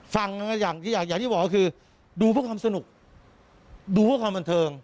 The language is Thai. ฟังอย่างที่อยากอย่างที่บอกก็คือดูเพราะความสนุกดูเพราะความบันเทิง